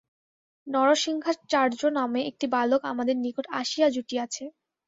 নরসিংহাচার্য নামে একটি বালক আমাদের নিকট আসিয়া জুটিয়াছে।